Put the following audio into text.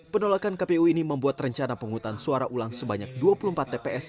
penolakan kpu ini membuat rencana penghutang suara ulang sebanyak dua puluh empat tps